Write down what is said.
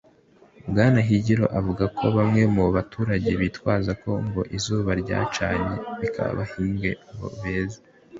Bwana Higiro avuga ko bamwe mu baturage bitwaza ko ngo izuba ryacanye ntibahinge ngo beze